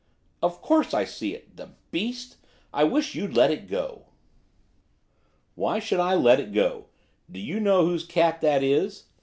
'Of course I see it! the beast! I wish you'd let it go!' 'Why should I let it go? Do you know whose cat that is?